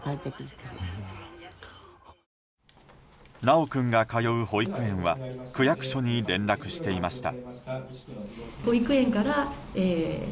修君が通う保育園は区役所に連絡していました。